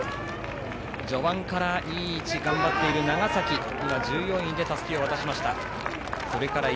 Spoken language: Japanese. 序盤からいい位置で頑張っている長崎が１４位でたすきを渡しました。